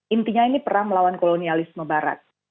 intinya ini perang melawan kolonialisme barat